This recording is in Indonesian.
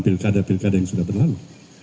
pilkada pilkada yang sudah berlalu